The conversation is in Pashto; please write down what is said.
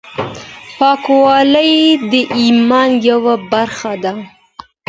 پاکوالی د ايمان يوه برخه ده.